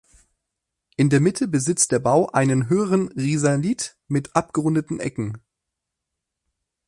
In der Mitte besitzt der Bau einen höheren Risalit mit abgerundeten Ecken.